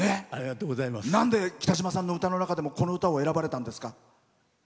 なんで北島さんの歌の中でもこの歌を選ばれたんですか？